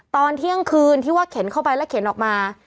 ตอนเที่ยงคืนที่ว่าเข็นเข้าไปแล้วเข็นออกมา